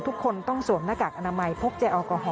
ทุกคนต้องสวมหน้ากากอนามัยพกแจอกอหอ